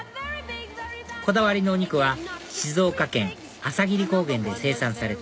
こだわりのお肉は静岡県朝霧高原で生産された